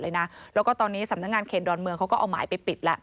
แล้วก็ตอนนี้สำนักงานเขตดอนเมืองเขาก็เอาหมายไปปิดแล้ว